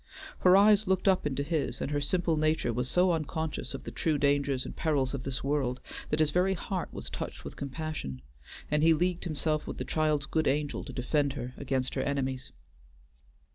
Her eyes looked up into his, and her simple nature was so unconscious of the true dangers and perils of this world, that his very heart was touched with compassion, and he leagued himself with the child's good angel to defend her against her enemies.